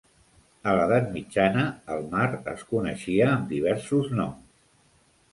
A l'Edat Mitjana, el mar es coneixia amb diversos noms.